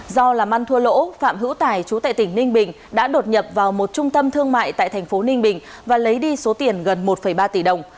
do làm ăn thua lỗ phạm hữu tài chú tại tỉnh ninh bình đã đột nhập vào một trung tâm thương mại tại thành phố ninh bình và lấy đi số tiền gần một ba tỷ đồng